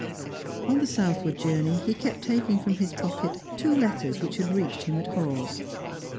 On the southward journey he kept taking from his pocket two letters which had reached him at Hawes.